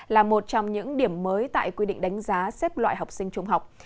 là một trong những điểm mới tại quy định đánh giá xếp loại học sinh trung học